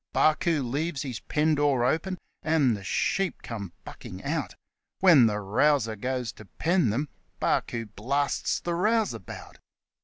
1 Barcoo ' leaves his pen door open and the sheep come bucking out ; When the rouser goes to pen them, 'Barcoo' blasts the rouseabout.